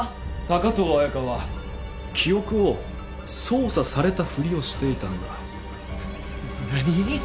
高遠綾香は記憶を操作されたふりをしていたんだ。何！？